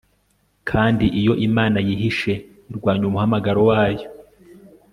kandi, iyo imana yihishe irwanya umuhamagaro wayo